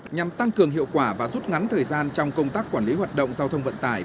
nhằm tăng cường hiệu quả và rút ngắn thời gian trong công tác quản lý hoạt động giao thông vận tải